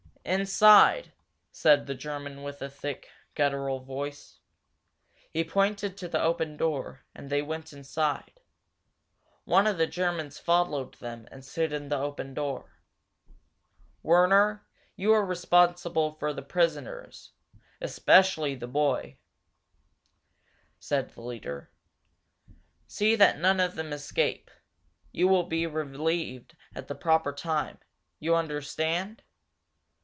"Inside!" said the German with the thick, guttural voice. He pointed to the open door, and they went inside. One of the Germans followed them and stood in the open door. "Werner, you are responsible for the prisoners, especially the boy," said the leader. "See that none of them escape. You will be relieved at the proper time. You understand?"